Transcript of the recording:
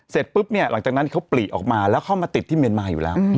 เสร็จปุ๊บเนี่ยหลังจากนั้นเขาปลีออกมาแล้วเข้ามาติดที่เมียนมาอยู่แล้ว